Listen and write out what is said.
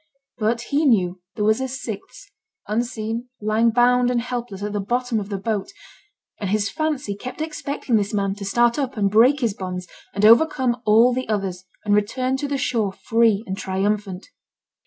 But he knew there was a sixth, unseen, lying, bound and helpless, at the bottom of the boat; and his fancy kept expecting this man to start up and break his bonds, and overcome all the others, and return to the shore free and triumphant.